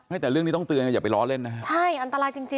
ไม่แต่เรื่องนี้ต้องเตือนอย่าไปล้อเล่น